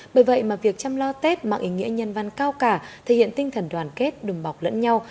bởi vậy mà việc chăm lo tết mạng ý nghĩa nhân văn cao cả thể hiện tinh thần đoàn kết đùm bọc lẫn nhau